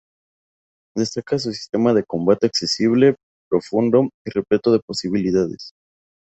Destaca su sistema de combate accesible, profundo y repleto de posibilidades.